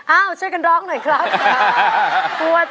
ช่วยกันร้องหน่อยครับ